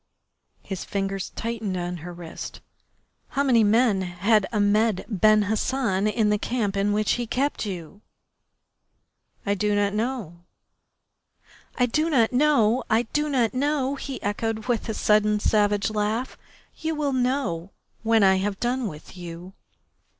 His fingers tightened on her wrist. "How many men had Ahmed Ben Hassan in the camp in which he kept you?" "I do not know." "I do not know! I do not know!" he echoed with a sudden savage laugh. "You will know when I have done with you."